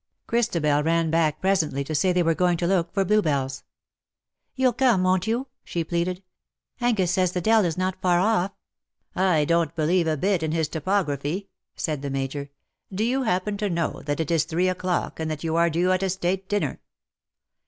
Christabel ran back presently to say they were going to look for bluebells. " You'll come, w^on't you ?'' she pleaded ;" Angus says the dell is not far off"." 160 IN SOCIETY. " I don^t believe a bit in his topography/^ said the Major ;" do you happen to know that it is three o'clock, and that you are due at a State dinner?"